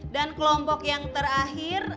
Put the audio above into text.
dan kelompok yang terakhir